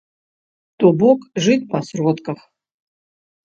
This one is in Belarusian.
То бок, жыць па сродках.